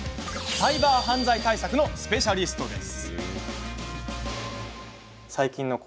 サイバー犯罪対策のスペシャリストです。